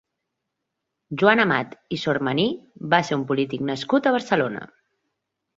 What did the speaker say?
Joan Amat i Sormaní va ser un polític nascut a Barcelona.